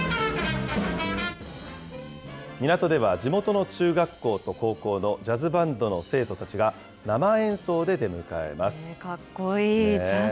港では地元の中学校と高校のジャズバンドの生徒たちが、かっこいい、ジャズ。